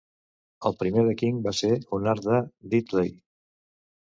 El primer de King va ser un arc de "diddley".